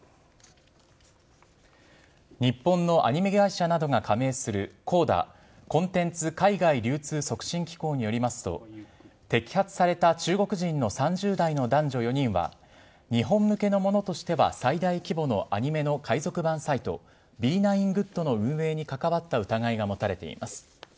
日本のアニメ会社などが加盟するＣＯＤＡ・コンテンツ海外流通促進機構によりますと、摘発された中国人の３０代の男女４人は、日本向けのものとしては最大規模のアニメの海賊版サイト、Ｂ９ＧＯＯＤの運営に関わった疑いが持たれています。